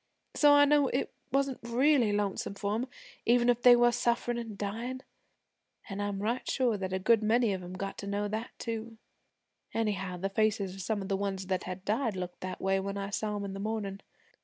So I knew it wasn't really lonesome for 'em, even if they were sufferin' an' dyin'. An' I'm right sure that a good many of 'em got to know that, too anyhow, the faces of some of the ones that had died looked that way when I saw 'em in the mornin'.